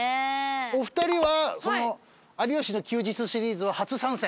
お二人は有吉の休日シリーズは初参戦？